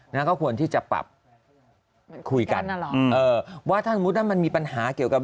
นะก็ควรที่จะปรับคุยกันเออว่าถ้าสมมุติว่ามันมีปัญหาเกี่ยวกับ